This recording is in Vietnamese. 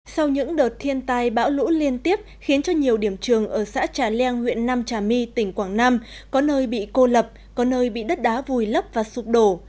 sau những đợt thiên tai bão lũ liên tiếp khiến cho nhiều điểm trường ở xã trà leng huyện nam trà my tỉnh quảng nam có nơi bị cô lập có nơi bị đất đá vùi lấp và sụp đổ